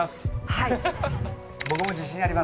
はい。